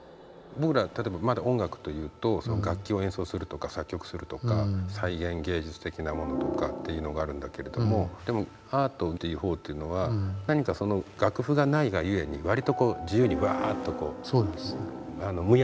僕ら例えばまだ音楽というと楽器を演奏するとか作曲するとか再現芸術的なものとかっていうのがあるんだけれどもでもアートでいうと何か楽譜がないがゆえに割と自由にワーッとむやみに広がっている。